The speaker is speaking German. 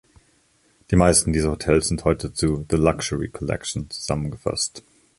Die meisten dieser Hotels sind heute zu "The Luxury Collection" zusammengefasst.